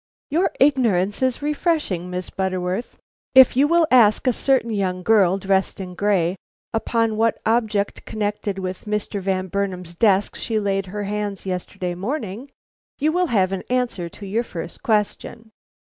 "Your ignorance is refreshing, Miss Butterworth. If you will ask a certain young girl dressed in gray, upon what object connected with Mr. Van Burnam's desk she laid her hands yesterday morning, you will have an answer to your first question.